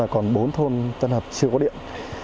còn bốn thôn tân hập chưa có điện